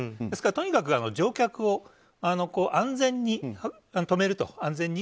ですから、とにかく安全に止めると。